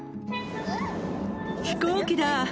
飛行機だ。